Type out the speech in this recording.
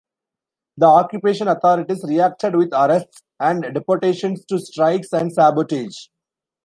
The occupation authorities reacted with arrests and deportations to strikes and sabotage.